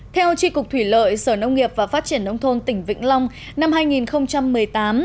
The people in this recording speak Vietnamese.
theo tri cục thủy lợi sở nông nghiệp và phát triển nông thôn tỉnh vĩnh long năm hai nghìn một mươi tám